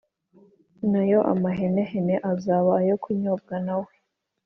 na yo amahenehene azaba ayo kunyobwa nawe,